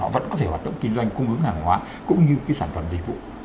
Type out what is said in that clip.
vẫn có thể hoạt động kinh doanh cung ứng hàng hóa cũng như cái sản phẩm dịch vụ